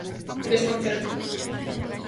Desconcerto.